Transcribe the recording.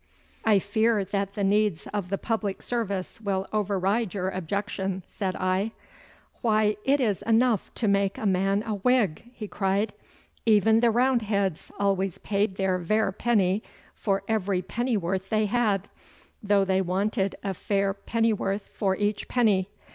'I fear that the needs of the public service will override your objection,' said I. 'Why it is enough to make a man a Whig,' he cried. 'Even the Roundheads always paid their vair penny for every pennyworth they had, though they wanted a vair pennyworth for each penny.